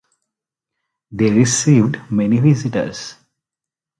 They received many visitors.